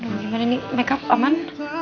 gimana nih makeup aman